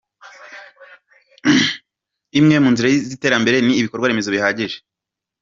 Imwe mu nzira z’iterambere ni ibikorwa remezo bihagije.